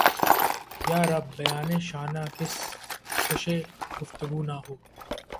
یارب! بیانِ شانہ کشِ گفتگو نہ ہو!